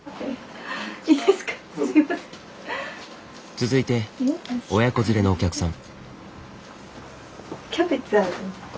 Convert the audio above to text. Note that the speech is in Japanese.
続いて親子連れのお客さん。